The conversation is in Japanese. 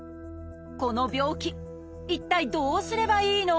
この病気一体どうすればいいの？